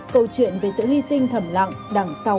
câu chuyện về sự hy sinh thẩm lặng